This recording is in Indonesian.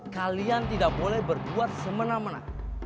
kalian tidak boleh berbuat semena mena